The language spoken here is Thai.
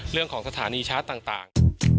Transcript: เรื่องของสถานีชาร์จต่าง